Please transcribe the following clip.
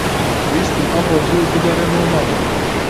ویستم ئەمڕۆ زوو بگەڕێمەوە ماڵ.